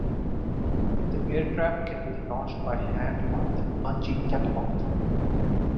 The aircraft can be launched by hand or with a bungee catapult.